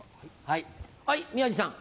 はい宮治さん。